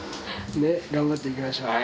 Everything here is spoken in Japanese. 頑張っていきましょう。